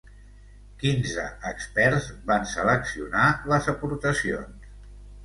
Quinze experts van seleccionar les aportacions.